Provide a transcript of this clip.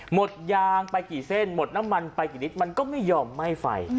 หมดยางไปกี่เส้นหมดน้ำมันไปกี่ลิตรมันก็ไม่ยอมไหม้ไฟ